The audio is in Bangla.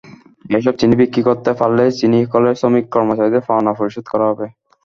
এসব চিনি বিক্রি করতে পারলেই চিনিকলের শ্রমিক-কর্মচারীদের পাওনা পরিশোধ করা হবে।